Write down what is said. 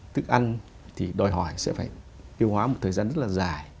thức ăn thì đòi hỏi sẽ phải tiêu hóa một thời gian rất là dài